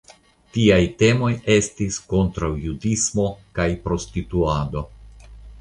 Tiaj temoj estis kontraŭjudismo kaj prostituado.